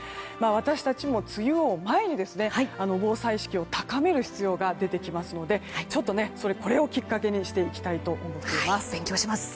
私たちも梅雨を前に防災意識を高める必要が出てきますのでこれをきっかけにしていきたいと思っています。